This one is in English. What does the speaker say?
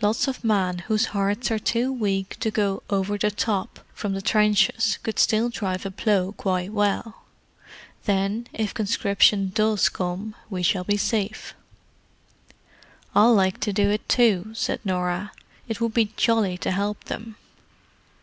Lots of men whose hearts are too weak to go 'over the top' from the trenches could drive a plough quite well. Then, if conscription does come, we shall be safe." "I'll like to do it, too," said Norah. "It would be jolly to help them."